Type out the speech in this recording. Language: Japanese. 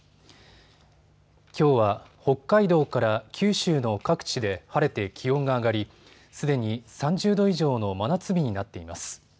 きょうは北海道から九州の各地で晴れて気温が上がりすでに３０度以上の真夏日になっています。